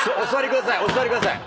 お座りください